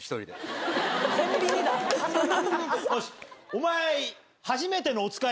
お前。